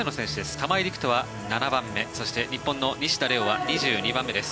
玉井陸斗は７番目そして西田玲雄は２２番目です。